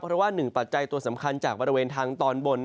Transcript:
เพราะว่าหนึ่งปัจจัยตัวสำคัญจากบริเวณทางตอนบน